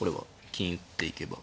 金打っていけば。